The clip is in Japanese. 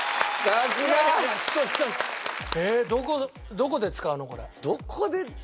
どこで使う？